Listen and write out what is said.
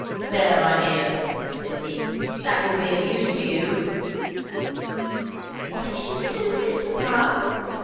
"There, my dear," said he, "that will be of use to you." "What is she to do with it, papa?"